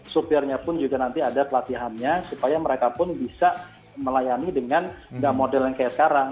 supirnya pun juga nanti ada pelatihannya supaya mereka pun bisa melayani dengan model yang kayak sekarang